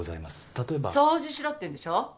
例えば。掃除しろって言うんでしょ。